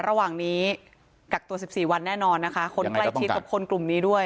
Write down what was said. ระหว่างนี้กักตัว๑๔วันแน่นอนนะคะคนใกล้ชิดกับคนกลุ่มนี้ด้วย